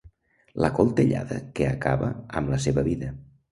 La coltellada que acaba amb la seva vida.